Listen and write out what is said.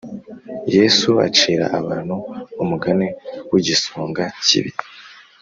Yesu acira abantu umugani w igisonga kibi